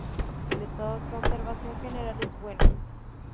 El estado de conservación general es bueno.